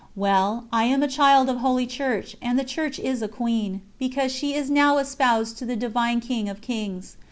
Well, I am a child of Holy Church, and the Church is a Queen, because she is now espoused to the Divine King of Kings.